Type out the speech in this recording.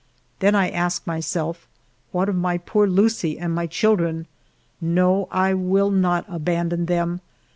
Then I ask myself, what of my poor Lucie and my children ? No, I will not abandon them.